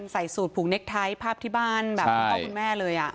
ใส่สูตรผูกเน็กไทท์ภาพที่บ้านแบบคุณพ่อคุณแม่เลย